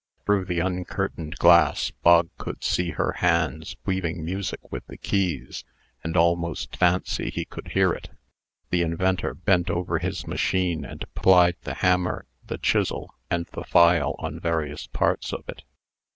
Through the uncurtained glass, Bog could see her hands weaving music with the keys, and almost fancy he could hear it. The inventor bent over his machine, and plied the hammer, the chisel, and the file, on various parts of it.